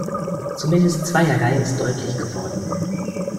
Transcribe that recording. Zumindest zweierlei ist deutlich geworden.